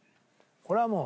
これはもう。